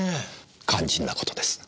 肝心な事です。